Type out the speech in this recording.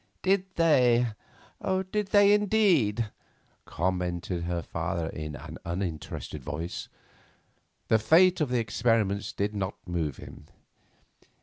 "Did they, did they indeed?" commented her father in an uninterested voice. The fate of the experiments did not move him.